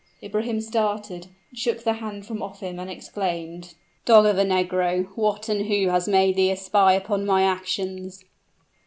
Ibrahim started, shook the hand from off him, and exclaimed, "Dog of a negro! what and who has made thee a spy upon my actions?"